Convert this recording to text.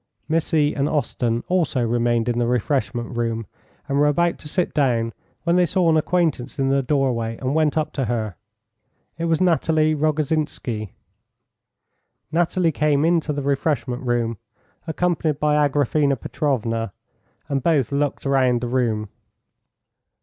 Missy and Osten also remained in the refreshment room and were about to sit down, when they saw an acquaintance in the doorway, and went up to her. It was Nathalie Rogozhinsky. Nathalie came into the refreshment room accompanied by Agraphena Petrovna, and both looked round the room.